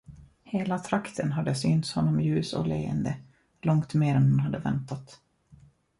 Hela trakten hade synts honom ljus och leende, långt mer än han hade väntat.